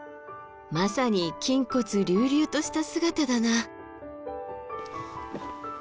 まさに筋骨隆々とした姿だな。